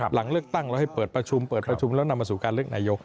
หลังเลือกตั้งแล้วให้เปิดประชุมแล้วนำมาสู่การเลือกนายก